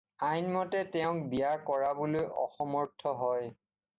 আইনমতে তেওঁক বিয়া কৰাবলৈ অসমৰ্থ হয়।